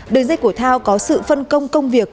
đường dây của thao có sự phân công công việc